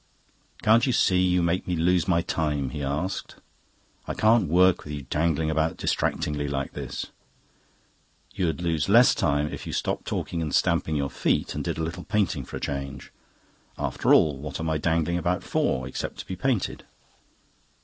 "Can't you see you make me lose my time?" he asked. "I can't work with you dangling about distractingly like this." "You'd lose less time if you stopped talking and stamping your feet and did a little painting for a change. After all, what am I dangling about for, except to be painted?"